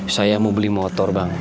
saya mau beli motor bang